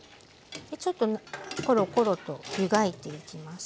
ちょっとコロコロと湯がいていきます。